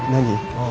ああ。